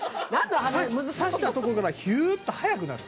刺したところからヒュっと早くなる。